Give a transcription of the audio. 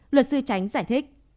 luật sư tránh giải thích